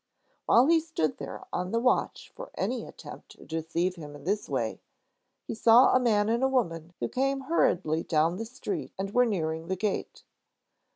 While he stood there on the watch for any attempt to deceive him in this way, he saw a man and a woman who came hurriedly down the street and were nearing the gate.